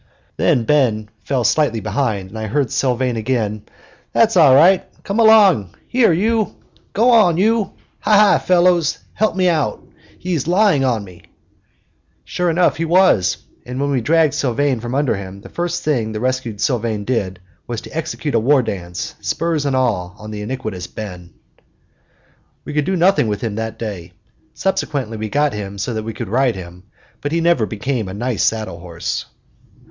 Then Ben fell slightly behind and I heard Sylvane again, "That's all right! Come along! Here, you! Go on, you! Hi, hi, fellows, help me out! he's lying on me!" Sure enough, he was; and when we dragged Sylvane from under him the first thing the rescued Sylvane did was to execute a war dance, spurs and all, on the iniquitous Ben. We could do nothing with him that day; subsequently we got him so that we could ride him; but he never became a nice saddle horse.